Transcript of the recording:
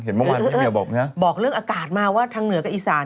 เห็นบางวันพี่ม่าบอกนะฮะบอกเรื่องอากาศมาว่าทางเหนือกับอีสาน